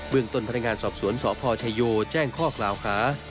เมืองต้นพนักงานสอบสวนสพชโยแจ้งข้อกล่าวหา